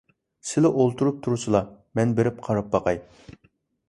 سىلى ئولتۇرۇپ تۇرسىلا، مەن بېرىپ قاراپ باقاي.